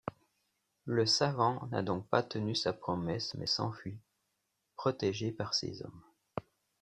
Le savant n'a donc pas tenu sa promesse mais s'enfuit, protégé par ses hommes.